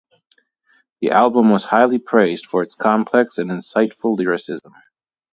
The album was highly praised for its complex and insightful lyricism.